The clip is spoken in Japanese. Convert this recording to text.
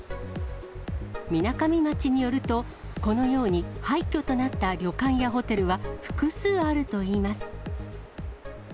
みなかみ町によると、このように廃虚となった旅館やホテルは、複数あるといいます。